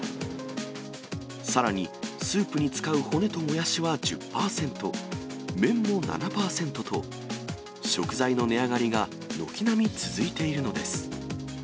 さらに、スープに使う骨ともやしは１０％、麺も７％と、食材の値上がりが軒並み続いているのです。